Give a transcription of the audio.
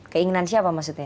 keinginan siapa maksudnya